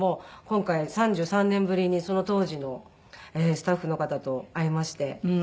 今回３３年ぶりにその当時のスタッフの方と会えまして。